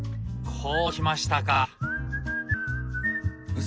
こう来ましたか。